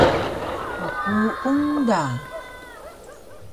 Mkuung da